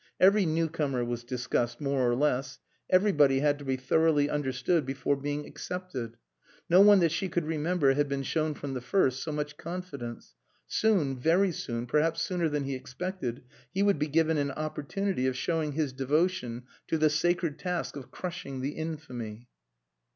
Every new comer was discussed more or less. Everybody had to be thoroughly understood before being accepted. No one that she could remember had been shown from the first so much confidence. Soon, very soon, perhaps sooner than he expected, he would be given an opportunity of showing his devotion to the sacred task of crushing the Infamy.